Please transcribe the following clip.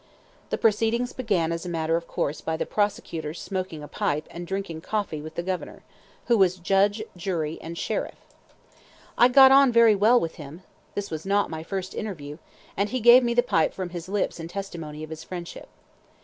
The proceedings began as a matter of course by the prosecutor's smoking a pipe and drinking coffee with the Governor, who was judge, jury, and sheriff. I got on very well with him (this was not my first interview), and he gave me the pipe from his lips in testimony of his friendship.